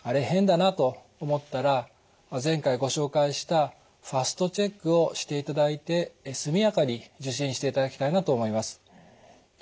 変だな」と思ったら前回ご紹介したＦＡＳＴチェックをしていただいて速やかに受診していただきたいなと思います。